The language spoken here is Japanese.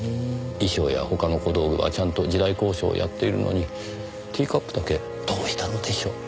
衣装や他の小道具はちゃんと時代考証をやっているのにティーカップだけどうしたのでしょう？